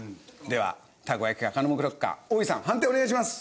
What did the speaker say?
ではたこ焼きかカノムクロックかオーイさん判定をお願いします！